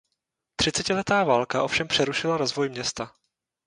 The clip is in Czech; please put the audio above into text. Třicetiletá válka ovšem přerušila rozvoj města.